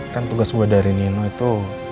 kan tugas gue dari nino itu